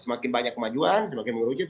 semakin banyak kemajuan semakin mengerucut